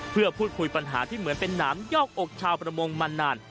เพื่อพูดคุยปัญหาที่เหมือนเป็นหนามยอกชาวประมงมานาน